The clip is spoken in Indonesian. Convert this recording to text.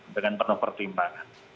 dengan penuh pertimbangan